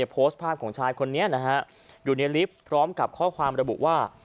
โพสต์ภาพของชายคนนี้นะฮะอยู่ในลิฟต์พร้อมกับข้อความระบุว่า